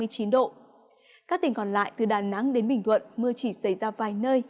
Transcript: các tỉnh còn lại từ đà nẵng đến bình thuận mưa chỉ xảy ra vài nơi